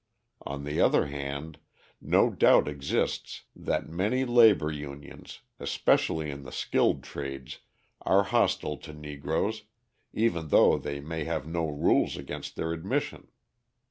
On the other hand, no doubt exists that many labour unions, especially in the skilled trades, are hostile to Negroes, even though they may have no rules against their admission.